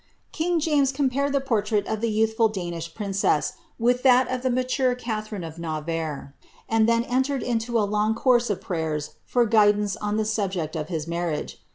Ring James compared the portrait of the youthful Danish princess with that of the mature Catherine of Navarre, and then entered into a long course of prayers for guidance on the subject of his marriage.